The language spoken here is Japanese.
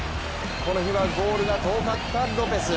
この日はゴールが遠かったロペス。